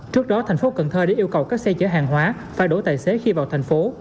trước đó thành phố cần thơ đã yêu cầu các xe chở hàng hóa phải đổ tài xế khi vào thành phố